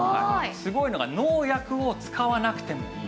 すごいのが農薬を使わなくてもいい。